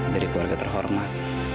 dari keluarga terhormat